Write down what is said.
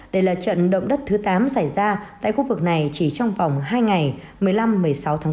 đây là trận động đất thứ tám xảy ra tại khu vực này chỉ trong vòng hai ngày một mươi năm một mươi sáu tháng bốn